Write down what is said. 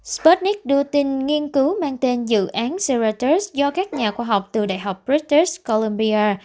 sputnik đưa tin nghiên cứu mang tên dự án ceratus do các nhà khoa học từ đại học british columbia